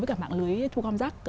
với cả mạng lưới thu công rác